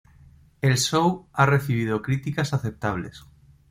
El show ha recibido críticas "aceptables".